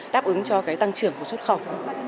đáp ứng cho cái tăng trưởng của xuất khẩu